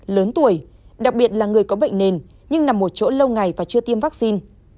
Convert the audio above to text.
lớn tuổi đặc biệt là người có bệnh nền nhưng nằm ở chỗ lâu ngày và chưa tiêm vaccine